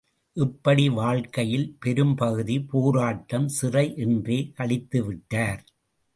இப்படி வாழ்க்கையில் பெரும்பகுதி போராட்டம், சிறை என்றே கழித்துவிட்டார்.